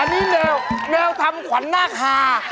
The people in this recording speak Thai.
อันนี้อันนี้แนวแนวทำขวันนาคฮา